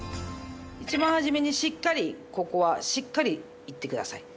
一番初めにしっかりここはしっかりいってください。